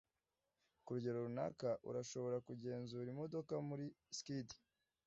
ku rugero runaka, urashobora kugenzura imodoka muri skid